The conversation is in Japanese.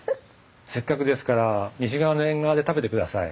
せっかくですから西側の縁側で食べてください。